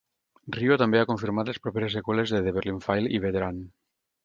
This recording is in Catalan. Ryoo també ha confirmat les properes seqüeles de "The Berlin File" i "Veteran".